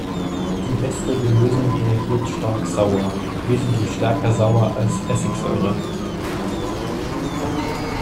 Die wässrige Lösung reagiert stark sauer, wesentlich stärker sauer als Essigsäure.